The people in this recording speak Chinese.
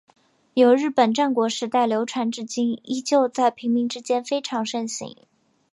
由日本战国时代流传至今依旧在平民之间非常盛行。